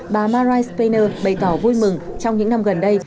bà mariah spanier bày tỏ vui mừng trong những năm gần đây